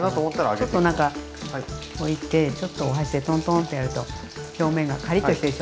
ちょっと何か置いてちょっとお箸でトントンってやると表面がカリッとしてるでしょ。